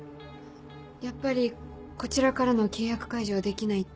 やっぱりこちらからの契約解除はできないって。